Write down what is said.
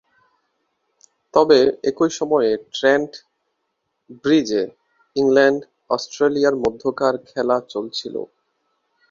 তবে, একই সময়ে ট্রেন্ট ব্রিজে ইংল্যান্ড-অস্ট্রেলিয়ার মধ্যকার খেলা চলছিল।